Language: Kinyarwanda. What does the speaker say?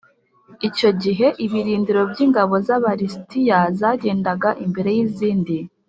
icyo gihe ibirindiro by ingabo z Aba lisitiya zagendaga imbere y izindi